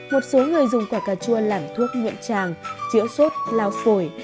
một số người dùng quả cà chua làm thuốc nguyện tràng chữa sốt lau sổi